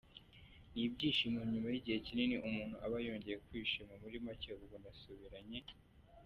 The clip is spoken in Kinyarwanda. "Ni ibyishimo nyuma y’igihe kinini, umuntu aba yongeye kwishima, muri make ubu nasubiranye.